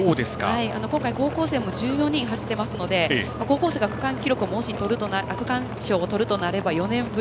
今回、高校生も１４人走っていますので高校生が区間賞をとるとなれば４年ぶり。